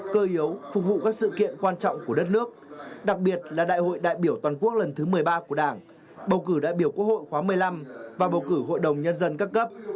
cơ yếu phục vụ các sự kiện quan trọng của đất nước đặc biệt là đại hội đại biểu toàn quốc lần thứ một mươi ba của đảng bầu cử đại biểu quốc hội khóa một mươi năm và bầu cử hội đồng nhân dân các cấp